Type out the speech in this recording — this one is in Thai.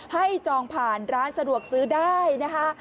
จองผ่านร้านสะดวกซื้อได้นะคะ